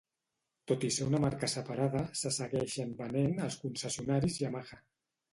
Tot i ser una marca separada, se segueixen venent als concessionaris Yamaha.